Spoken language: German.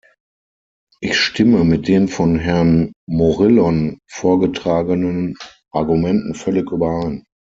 Ich stimme mit den von Herrn Morillon vorgetragenen Argumenten völlig überein.